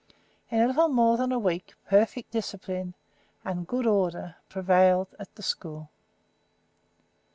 In a little more than a week perfect discipline and good order prevailed in the school.